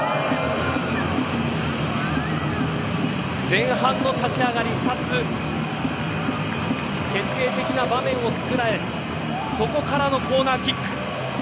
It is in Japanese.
前半の立ち上がり決定的な場面を作られそこからのコーナーキック。